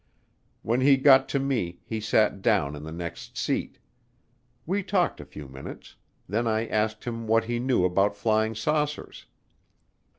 When he got to me he sat down in the next seat. We talked a few minutes; then I asked him what he knew about flying saucers.